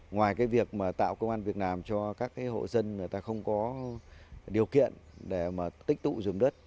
ngoài việc tạo công an việt nam cho các hộ dân không có điều kiện tích tụ dùng đất